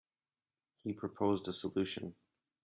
He proposed a solution.